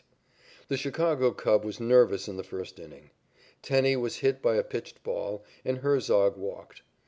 The Chicago club was nervous in the first inning. Tenney was hit by a pitched ball, and Herzog walked.